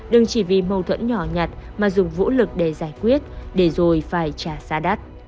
đừng chỉ vì mâu thuẫn nhỏ nhặt mà dùng vũ lực để giải quyết để rồi phải trả giá đắt